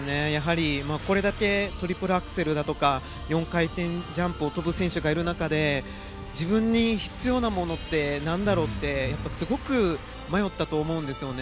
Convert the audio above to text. これだけトリプルアクセルだとか４回転ジャンプを跳ぶ選手がいる中で自分に必要なものって何だろうってすごく迷ったと思うんです。